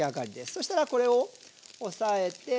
そしたらこれを押さえて。